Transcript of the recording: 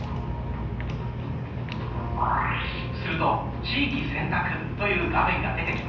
すると「地域選択」という画面が出てきました。